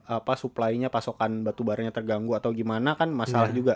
apa suplainya pasokan batubaranya terganggu atau gimana kan masalah juga